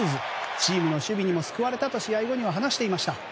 チームの守備にも救われたと話していました。